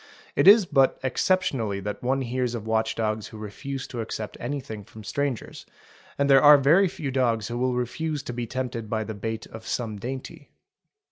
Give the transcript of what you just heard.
It is but exceptionally that one hears of watch dogs who refuse to accept anything from strangers, and there are very few dogs who will refuse to be tempted by the bait of some dainty.